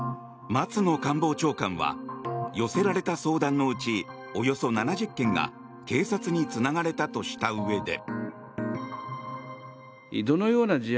松野官房長官は寄せられた相談のうちおよそ７０件が警察につながれたとしたうえで。